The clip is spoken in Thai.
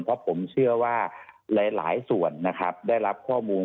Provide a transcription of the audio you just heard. เพราะผมเชื่อว่าหลายส่วนนะครับได้รับข้อมูล